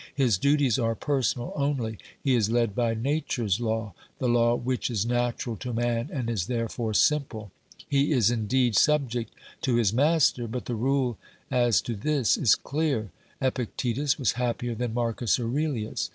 His duties are personal only; he is led by Nature's law, the law which is natural to man and is therefore simple. He is indeed subject to his master, but the rule as to this is clear. Epictetus was happier than Marcus Aurelius.